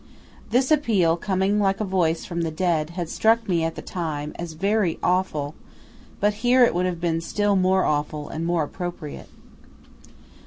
This appeal, coming like a voice from the dead, had struck me at the time as very awful but here it would have been still more awful, and more appropriate.